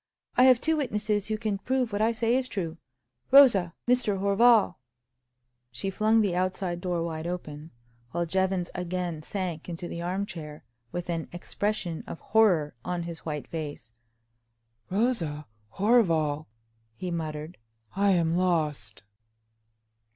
"I have two witnesses who can prove what I say is true. Rosa! Mr. Horval!" She flung the outside door wide open, while Jevons again sank into the arm chair, with an expression of horror on his white face. "Rosa! Horval!" he muttered. "I am lost!"